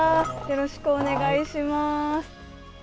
よろしくお願いします。